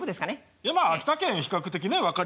いやまあ秋田県比較的ね分かりやすいですけどね。